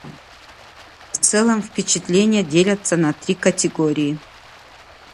В целом впечатления делятся на три категории.